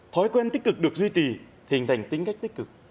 thói quen tích cực được duy trì thì hình thành tính cách tích cực